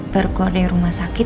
berkor di rumah sakit